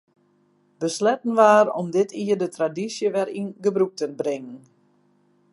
Besletten waard om dit jier de tradysje wer yn gebrûk te bringen.